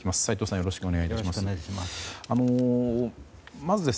よろしくお願いします。